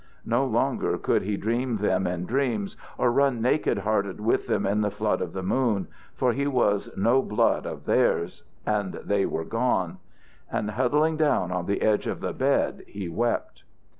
No longer could he dream them in dreams or run naked hearted with them in the flood of the moon, for he was no blood of theirs, and they were gone. And huddling down on the edge of the bed, he wept.